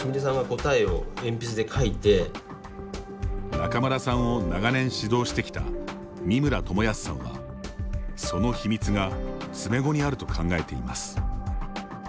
仲邑さんを長年指導してきた三村智保さんはその秘密が詰碁にあると考えています。